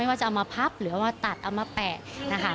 ว่าจะเอามาพับหรือเอามาตัดเอามาแปะนะคะ